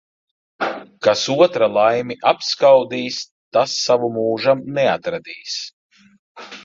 Kas otra laimi apskaudīs, tas savu mūžam neatradīs.